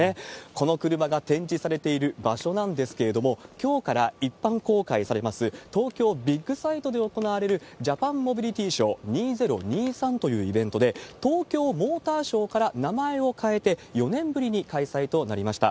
この車が展示されている場所なんですけれども、きょうから一般公開されます東京ビッグサイトで行われるジャパンモビリティショー２０２３というイベントで、東京モーターショーから名前を変えて、４年ぶりに開催となりました。